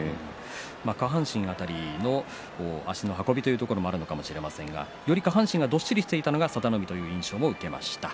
下半身の辺りの足の運びというところもあるかもしれませんが、より下半身がどっしりしていたのが佐田の海という印象も受けました。